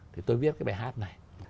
thì tôi viết cái bài hát này